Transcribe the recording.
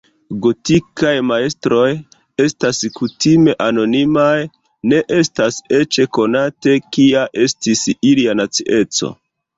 Gotikaj majstroj estas kutime anonimaj, ne estas eĉ konate, kia estis ilia nacieco.